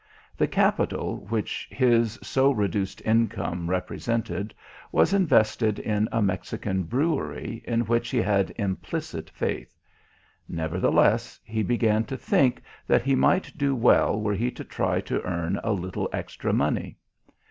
The capital which his so reduced income represented was invested in a Mexican brewery in which he had implicit faith. Nevertheless, he began to think that he might do well were he to try to earn a little extra money.